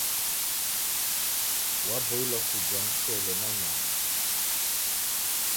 Waboilwa kujha mchele na nyama.